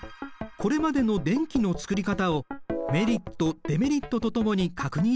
これまでの電気の作り方をメリット・デメリットと共に確認しよう。